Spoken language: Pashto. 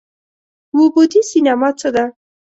اووه بعدی سینما څه ده؟